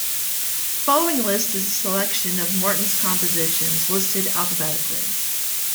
The folllowing list is a selection of Morton's compositions, listed alphabetically.